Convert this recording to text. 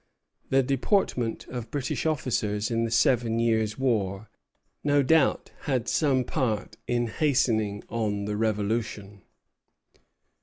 The deportment of British officers in the Seven Years War no doubt had some part in hastening on the Revolution.